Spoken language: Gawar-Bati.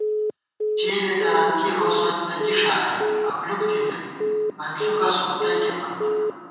جېلےتران کی ہوسند تہ کی ݭارېل، ابلُوک تھِمېت انݪُکہ سونتَئیکےپت